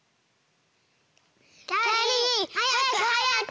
きゃりーはやくはやく！